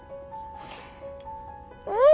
うん。